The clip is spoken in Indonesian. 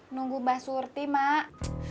nunggu mbak surti mak